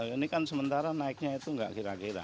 ini kan sementara naiknya itu nggak kira kira